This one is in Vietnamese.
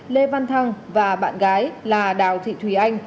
lê văn thăng và bạn gái là đào thị thùy anh